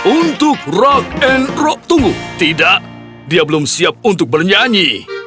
untuk rock and rock tunggu tidak dia belum siap untuk bernyanyi